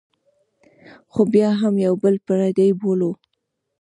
خو بیا هم یو بل پردي بولو.